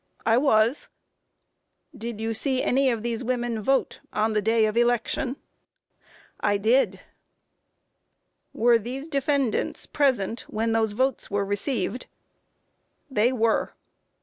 A. I was. Q. Did you see any of these women vote on the day of election? A. I did. Q. Were these defendants present when their votes were received? A. They were. Q.